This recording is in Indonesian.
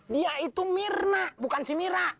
dia itu mirna bukan si mira